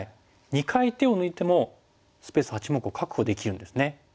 ２回手を抜いてもスペース８目を確保できるんですね。